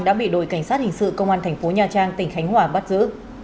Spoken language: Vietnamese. đã bị đội cảnh sát hình sự công an thành phố nha trang tỉnh khánh hòa bắt giữ